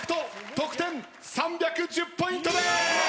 得点３１０ポイントです！